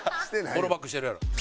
フォローバックしてるやろ。